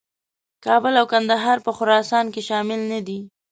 کابل او کندهار په خراسان کې شامل نه دي.